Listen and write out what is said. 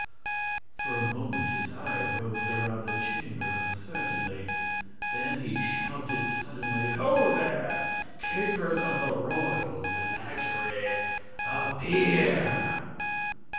For a moment his eye roved around the chamber uncertainly. Then he shouted, suddenly: "Ho, there! Keepers of the royal menagerie appear!"